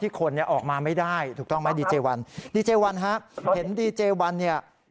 คนเนี่ยออกมาไม่ได้ถูกต้องไหมดีเจวันดีเจวันฮะเห็นดีเจวันเนี่ย